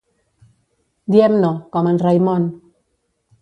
Diem no, com en Raimon.